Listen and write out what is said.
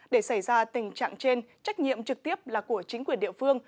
để xảy ra tình trạng trên trách nhiệm trực tiếp là của chính quyền địa phương